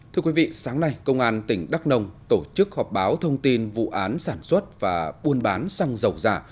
thưa quý vị sáng nay công an tỉnh đắk nông tổ chức họp báo thông tin vụ án sản xuất và buôn bán xăng dầu giả